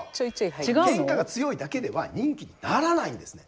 ケンカが強いだけでは人気にならないんですね。